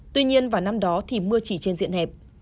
tuy nhiên vào năm đó thì mưa chỉ trên diện hẹp